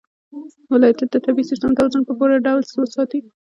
ولایتونه د طبعي سیسټم توازن په پوره ډول ساتي.